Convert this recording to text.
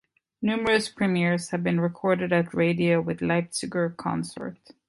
Numerous premieres have been recorded on radio with the Leipziger Consort.